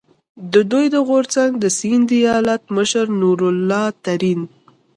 د دوی د غورځنګ د سیند ایالت مشر نور الله ترین،